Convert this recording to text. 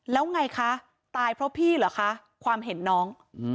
แล้วไงคะตายเพราะพี่เหรอคะความเห็นน้อง